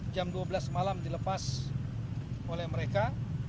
jam dua belas malam dilepas oleh mereka